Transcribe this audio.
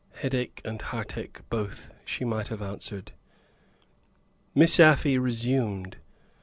"Headache and heartache both," she might have answered. Miss Afy resumed.